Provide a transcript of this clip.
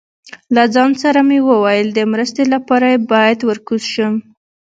له ځان سره مې وویل، د مرستې لپاره یې باید ور کوز شم.